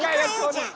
じゃあ。